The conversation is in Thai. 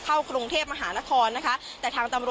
เข้ากรุงเทพฯมหานคร